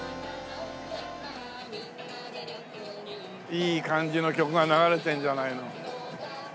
いい感じの曲が流れてるじゃないの。